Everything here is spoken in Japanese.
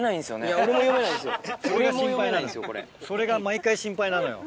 それが毎回心配なのよ。